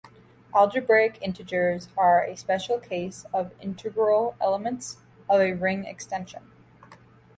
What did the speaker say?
Algebraic integers are a special case of integral elements of a ring extension.